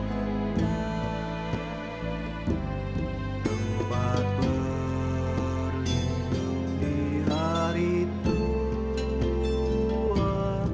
tempat berlindung di hari tua